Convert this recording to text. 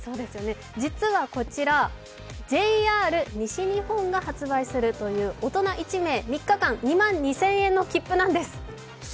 実はこちら、ＪＲ西日本が発売するという大人１名、３日間、２万２０００円の切符です。